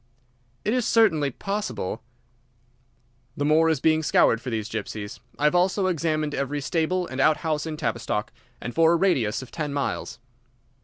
"It is certainly possible." "The moor is being scoured for these gypsies. I have also examined every stable and out house in Tavistock, and for a radius of ten miles."